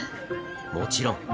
もちろん。